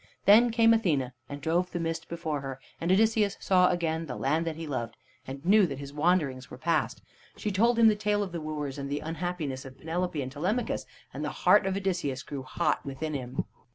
Then came Athene, and drove the mist before her, and Odysseus saw again the land that he loved, and knew that his wanderings were past. She told him the tale of the wooers, and of the unhappiness of Penelope and Telemachus, and the heart of Odysseus grew hot within him.